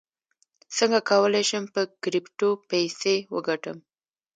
څنګه کولی شم په کریپټو پیسې وګټم